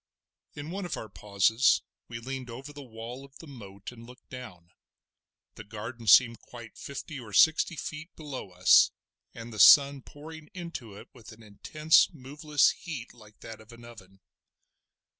In one of our pauses we leaned over the wall of the moat and looked down. The garden seemed quite fifty or sixty feet below us, and the sun pouring into it with an intense, moveless heat like that of an oven.